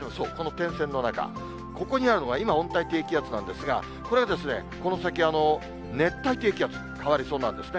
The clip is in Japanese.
点線の中、ここにあるのが今、温帯低気圧なんですが、これがこの先、熱帯低気圧に変わりそうなんですね。